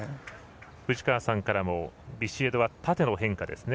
藤川さんからもビシエドは縦の変化ですね。